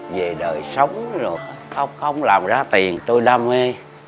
về đời sống rồi ông không làm ra tiền tôi đam mê